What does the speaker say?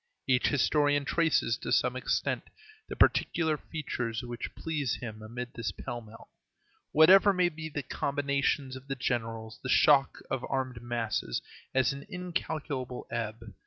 Each historian traces, to some extent, the particular feature which pleases him amid this pell mell. Whatever may be the combinations of the generals, the shock of armed masses has an incalculable ebb.